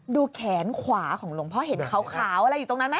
แขนขวาของหลวงพ่อเห็นขาวอะไรอยู่ตรงนั้นไหม